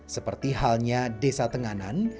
seperti halnya desa tenganan